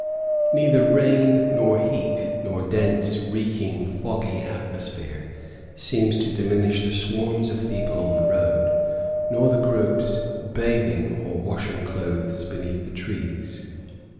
Neither rain nor heat nor dense, reeking, foggy atmosphere seems to diminish the swarms of people on the road, nor the groups bathing or washing clothes beneath the trees.